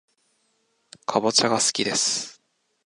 かぼちゃがすきです